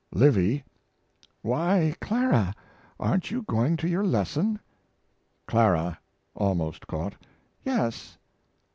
LIVY. Why, Clara, aren't you going to your lesson? CLARA (almost caught). Yes.